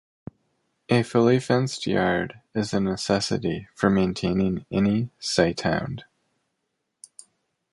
A fully fenced yard is a necessity for maintaining any sighthound.